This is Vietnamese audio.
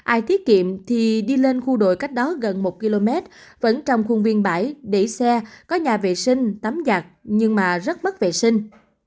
ai thiết kiệm thì đi lên khu đội cách đó gần một km vẫn trong khuôn viên bãi đẩy xe có nhà vệ sinh tắm giặt nhưng mà rất bất vệ sinh